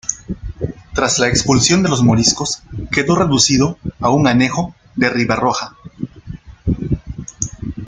Tras la expulsión de los moriscos quedó reducido a un anejo de Ribarroja.